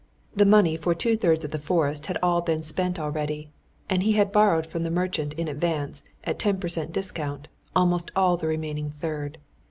The money for two thirds of the forest had all been spent already, and he had borrowed from the merchant in advance at ten per cent discount, almost all the remaining third.